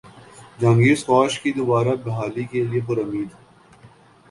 Jahangir squash کی دوبارہ بحالی کیلئے پرامید